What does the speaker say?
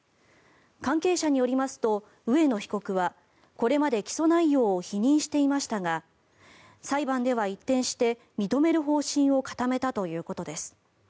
関係者によりますと植野被告はこれまで起訴内容を否認していましたが裁判では一転して認める方針を固めたということです。